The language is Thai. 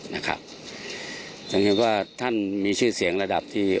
อย่างเชื่อว่าธ่านมีชื่อเสียงระดับที่